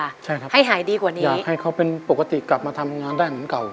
ใช่ครับให้หายดีกว่านี้อยากให้เขาเป็นปกติกลับมาทำงานได้เหมือนเก่า